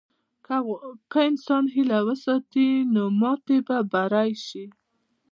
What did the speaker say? که انسان هیله وساتي، نو ماتې به بری شي.